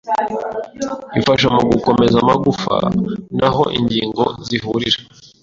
ifasha mu gukomeza amagufa n’aho ingingo zihurira,